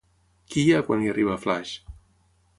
Qui hi ha, quan hi arriba Flash?